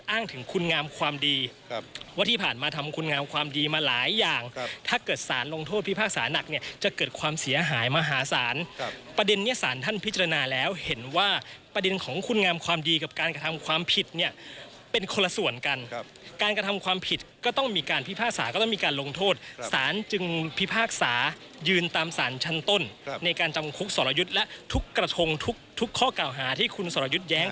อ้างถึงคุณงามความดีครับว่าที่ผ่านมาทำคุณงามความดีมาหลายอย่างครับถ้าเกิดสารลงโทษพิพากษานักเนี่ยจะเกิดความเสียหายมหาสารครับประเด็นนี้สารท่านพิจารณาแล้วเห็นว่าประเด็นของคุณงามความดีกับการกระทำความผิดเนี่ยเป็นคนละส่วนกันครับการกระทำความผิดก็ต้องมีการพิพากษาก็ต้องมีการลง